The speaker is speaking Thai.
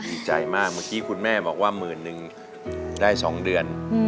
ดีใจมากเมื่อกี้คุณแม่บอกว่าหมื่นนึงได้๒เดือน